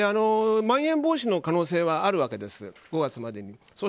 まん延防止の可能性はあるわけです、５月までに。